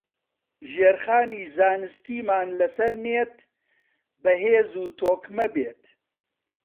ژێرخانی زانستیمان لەسەر نێت بەهێز و تۆکمە بێت